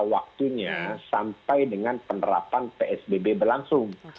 waktunya sampai dengan penerapan psbb berlangsung